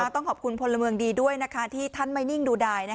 ต้องขอบคุณพลเมืองดีด้วยนะคะที่ท่านไม่นิ่งดูดาย